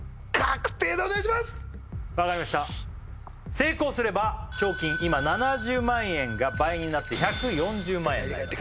成功すれば賞金今７０万円が倍になって１４０万円になります